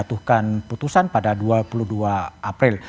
jatuhkan putusan pada dua puluh dua april